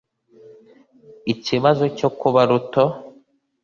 ikibazo cyo kuba ruto